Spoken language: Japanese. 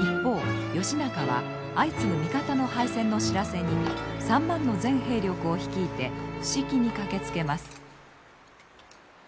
一方義仲は相次ぐ味方の敗戦の知らせに３万の全兵力を率いて伏木に駆けつけます。